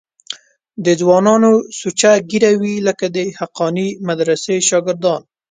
د ځوانانو سوچه ږیرې وې لکه د حقانیه مدرسې شاګردان.